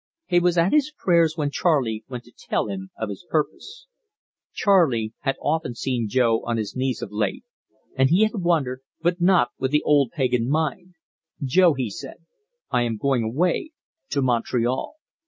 He was at his prayers when Charley went to tell him of his purpose. Charley had often seen Jo on his knees of late, and he had wondered, but not with the old pagan mind. "Jo," he said, "I am going away to Montreal."